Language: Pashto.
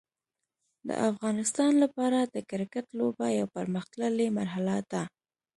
د افغانستان لپاره د کرکټ لوبه یو پرمختللی مرحله ده.